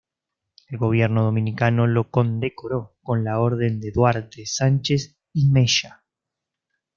El gobierno dominicano lo condecoró con la Orden de Duarte, Sánchez y Mella.